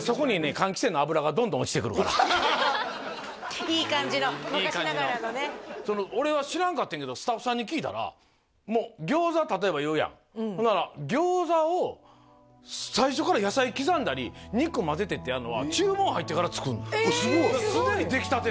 換気扇の油がどんどん落ちてくるからいい感じの昔ながらのねいい感じの俺は知らんかってんけどスタッフさんに聞いたらもう餃子例えば言うやんほんなら餃子を最初から野菜刻んだり肉混ぜてってやんのはだから常に出来たて